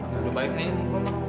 udah balik ke sini nih nunggu